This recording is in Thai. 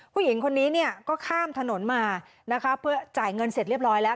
ผู้หญิงคนนี้เนี่ยก็ข้ามถนนมานะคะเพื่อจ่ายเงินเสร็จเรียบร้อยแล้ว